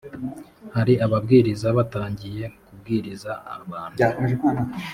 hari ababwiriza batangiye kubwiriza abantu